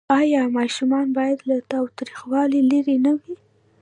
آیا ماشومان باید له تاوتریخوالي لرې نه وي؟